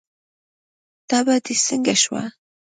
تبه دې څنګه شوه؟